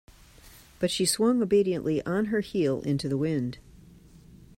But she swung obediently on her heel into the wind.